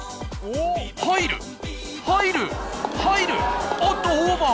入る入る入るおっとオーバー。